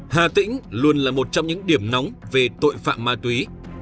hà tĩnh luôn là một trong những điểm nóng về tội phạm ma túy